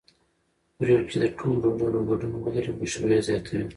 پرېکړې چې د ټولو ډلو ګډون ولري مشروعیت زیاتوي